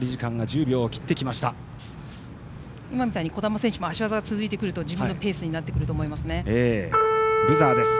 今みたいに児玉選手も足技が続いてくると自分のペースになってくるとブザーです。